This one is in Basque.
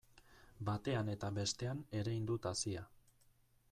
Batean eta bestean erein dut hazia.